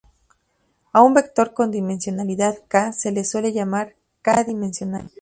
A un vector con dimensionalidad k se le suele llamar k-dimensional.